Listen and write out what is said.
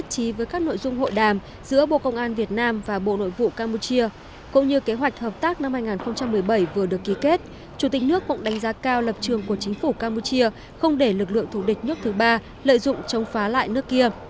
chủ tịch nước mộng đánh giá cao lập trường của chính phủ campuchia không để lực lượng thủ địch nước thứ ba lợi dụng chống phá lại nước kia